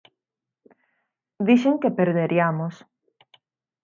Dixen que perderiamos.